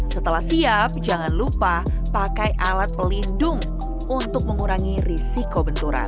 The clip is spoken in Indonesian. setelah siap jangan lupa pakai alat pelindung untuk mengurangi risiko benturan